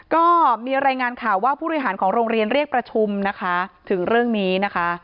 ก็มีรายงานข่าวว่าผู้บริหารของโรงเรียนเรียกประชุมนะคะถึงเรื่องนี้นะคะ